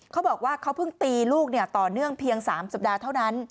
เขาบอกว่าเขาเพิ่งตีลูกต่อเนื่องเพียง๓สัปดาห์เท่านั้น